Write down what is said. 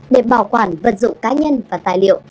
để bảo quản vật dụng cá nhân và tài liệu